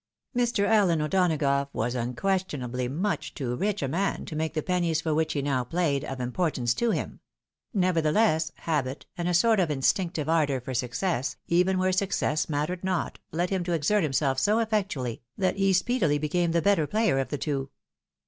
Mr. AUen O'Donagough was unquestionably much too rich a man to make the pennies for which he now played, of impor tance to him ; nevertheless, habit, and a sort of instinctive ardour for success, even where success mattered not, led him to exert himself so effectually, that he speedily became the better player of the two.